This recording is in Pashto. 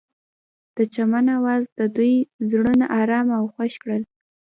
د چمن اواز د دوی زړونه ارامه او خوښ کړل.